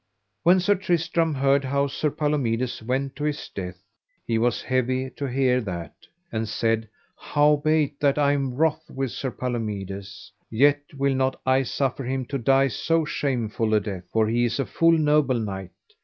When Sir Tristram heard how Sir Palomides went to his death, he was heavy to hear that, and said: Howbeit that I am wroth with Sir Palomides, yet will not I suffer him to die so shameful a death, for he is a full noble knight.